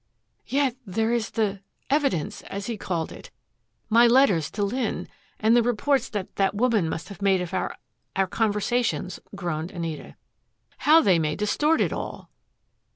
"Yet there is the evidence, as he called it my letters to Lynn and the reports that that woman must have made of our our conversations," groaned Anita. "How they may distort it all!"